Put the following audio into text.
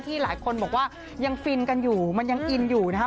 หลายคนบอกว่ายังฟินกันอยู่มันยังอินอยู่นะครับ